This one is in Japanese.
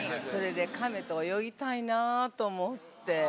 それでカメと泳ぎたいなと思って。